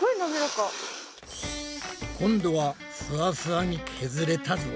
今度はふわふわに削れたぞ！